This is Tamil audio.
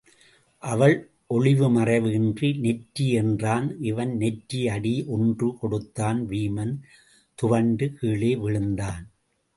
அவன் ஒளிவுமறைவு இன்றி நெற்றி என்றான் இவன் நெற்றி அடி ஒன்று கொடுத்தான் வீமன் துவண்டு கீழே விழுந்தான்.